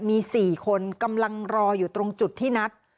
มี๔คนกำลังรออยู่ตรงจุดที่นัด